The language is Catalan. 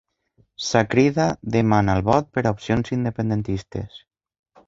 La Crida demana el vot per a opcions independentistes